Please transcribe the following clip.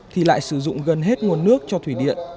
thì lại sử dụng gần hết nguồn nước cho thủy điện